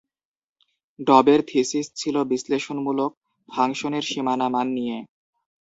ডবের thesis ছিল বিশ্লেষণমূলক ফাংশনের সীমানা মান নিয়ে।